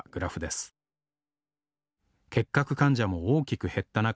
結核患者も大きく減った中